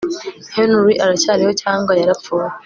Henry aracyariho cyangwa yarapfuye